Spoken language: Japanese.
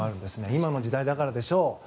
今の時代だからでしょう。